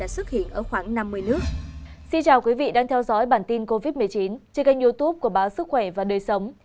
xin chào quý vị đang theo dõi bản tin covid một mươi chín trên kênh youtube của báo sức khỏe và đời sống